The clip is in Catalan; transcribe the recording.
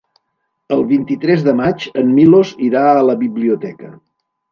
El vint-i-tres de maig en Milos irà a la biblioteca.